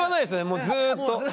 もうずっと。